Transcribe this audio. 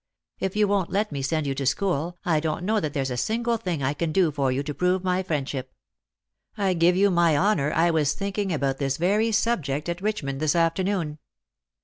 If you won't let me send you to school, I don't know that there's a single thing I can do for you to prove my friendship. I give you my honour I was thinking about this very subject at Richmond this afternoon."